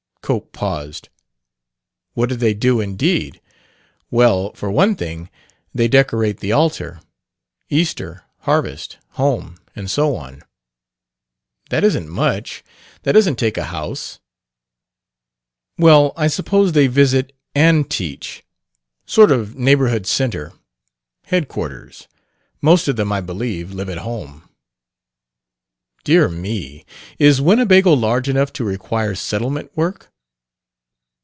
Cope paused. "What do they do, indeed? Well, for one thing, they decorate the altar Easter, Harvest home, and so on." "That isn't much. That doesn't take a house." "Well, I suppose they visit, and teach. Sort of neighborhood centre. Headquarters. Most of them, I believe, live at home." "Dear me! Is Winnebago large enough to require settlement work?"